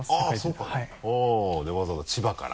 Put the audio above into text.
そうかでわざわざ千葉から。